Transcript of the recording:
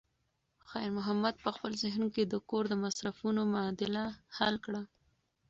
خیر محمد په خپل ذهن کې د کور د مصرفونو معادله حل کړه.